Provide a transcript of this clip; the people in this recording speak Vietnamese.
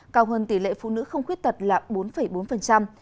cao hơn tỷ lệ phụ nữ không khuyết tật là bốn bốn